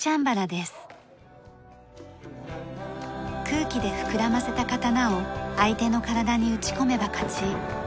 空気で膨らませた刀を相手の体に打ち込めば勝ち。